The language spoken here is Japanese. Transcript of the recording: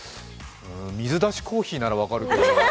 水出しコーヒーなら分かるけど。